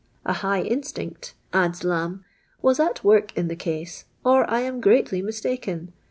...." A high instinct," a lds Lanih, " was at work in the case, or I am greatly mistaken.